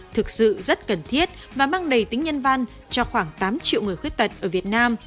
thực sự rất cần thiết và mang đầy tính nhân văn cho khoảng tám triệu người khuyết tật ở việt nam